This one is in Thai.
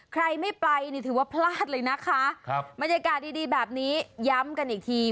ใครไม่ไปนี่ถือว่าพลาดเลยนะคะครับบรรยากาศดีดีแบบนี้ย้ำกันอีกที